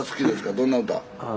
どんな歌？